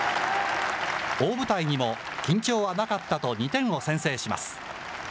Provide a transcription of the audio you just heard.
大舞台にも緊張はなかったと、２点を先制します。